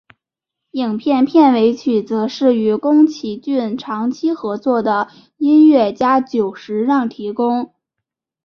影片片尾曲则是与宫崎骏长期合作的音乐家久石让提供。